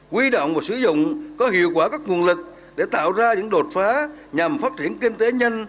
quy động và sử dụng có hiệu quả các nguồn lực để tạo ra những đột phá nhằm phát triển kinh tế nhanh